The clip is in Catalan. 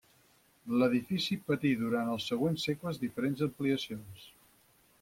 L'edifici patir durant els següents segles diferents ampliacions.